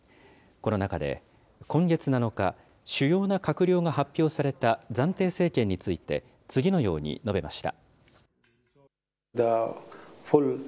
この中で、今月７日、主要な閣僚が発表された暫定政権について、次のように述べました。